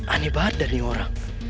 aneh banget dani orang